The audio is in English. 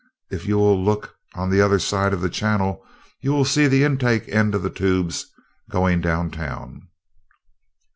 If you will look on the other side of the channel, you will see the intake end of the tubes going down town."